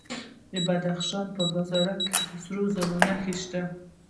د بدخشان په بهارک کې د سرو زرو نښې شته.